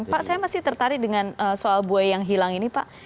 pak saya masih tertarik dengan soal buaya yang hilang ini pak